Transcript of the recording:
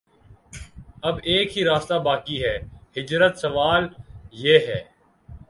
اب ایک ہی راستہ باقی ہے: ہجرت سوال یہ ہے